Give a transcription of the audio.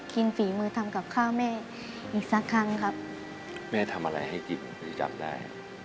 ฝีมือทำกับข้าวแม่อีกสักครั้งครับแม่ทำอะไรให้กินถึงจำได้